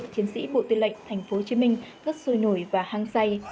chiến sĩ bộ tuyên lệnh tp hcm rất sôi nổi và hang say